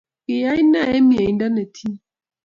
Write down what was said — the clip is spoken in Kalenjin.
kiyei nee eng' miondo netinyei.